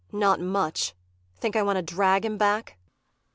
] Not much! Think I want to drag him back?